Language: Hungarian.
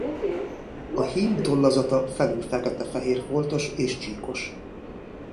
A hím tollazata felül fekete-fehér foltos és csíkos.